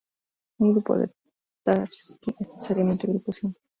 Un grupo de Tarski es necesariamente grupo simple.